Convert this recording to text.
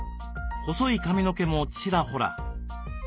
細い髪の毛もちらほら。